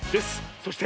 そして。